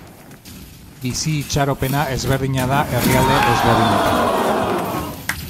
Bizi itxaropena ezberdina da herrialde ezberdinetan.